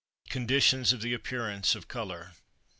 CONDITIONS OF THE APPEARANCE OF COLOUR.